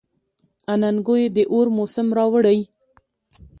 اننګو یې د اور موسم راوړی.